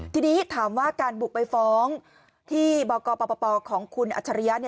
ทีนี้ถามว่าการบุกไปฟ้องที่บกปปของคุณอัจฉริยะ